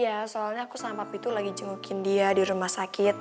iya soalnya aku sama pitu lagi jengukin dia di rumah sakit